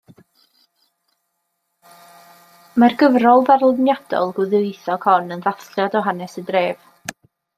Mae'r gyfrol ddarluniadol ddwyieithog hon yn ddathliad o hanes y dref.